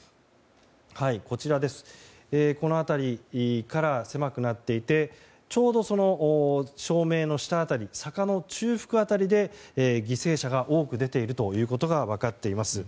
この辺りから狭くなっていってちょうど照明の下辺り坂の中腹辺りで犠牲者が多く出ていることが分かっています。